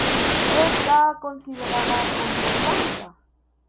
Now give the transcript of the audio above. Está considerada como santa.